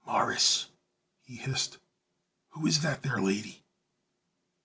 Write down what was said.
"Morris," he hissed, "who is that there lady?"